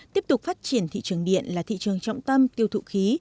tiếp tục phát triển thị trường điện là thị trường trọng tâm tiêu thụ khí